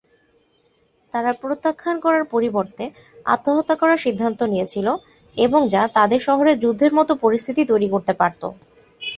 তারা প্রত্যাখ্যান করার পরিবর্তে আত্মহত্যা করার সিদ্ধান্ত নিয়েছিল, এবং যা তাদের শহরে যুদ্ধের মতো পরিস্থিতি তৈরি করতে পারত।